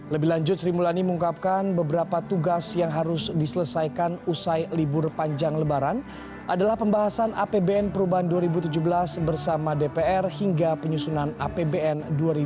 lebih lanjut sri mulyani mengungkapkan beberapa tugas yang harus diselesaikan usai libur panjang lebaran adalah pembahasan apbn perubahan dua ribu tujuh belas bersama dpr hingga penyusunan apbn dua ribu delapan belas